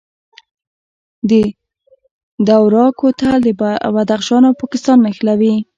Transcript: د دوراه کوتل بدخشان او پاکستان نښلوي